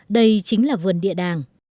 đây chính là vườn địa đà